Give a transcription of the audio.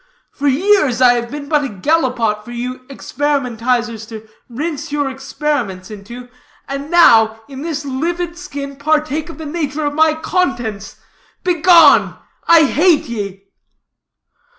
For years I have been but a gallipot for you experimentizers to rinse your experiments into, and now, in this livid skin, partake of the nature of my contents. Begone! I hate ye."